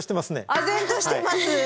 あぜんとしてます。